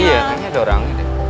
iya kayaknya ada orang